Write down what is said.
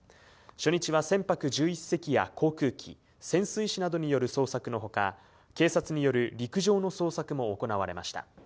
初日は船舶１１隻や航空機、潜水士などによる捜索のほか、警察による陸上の捜索も行われました。